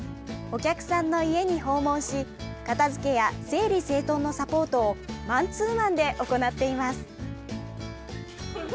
お客さんの家に訪問し片づけや整理整頓のサポートをマンツーマンで行っています。